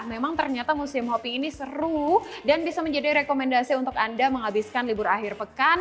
memang ternyata musim hopi ini seru dan bisa menjadi rekomendasi untuk anda menghabiskan libur akhir pekan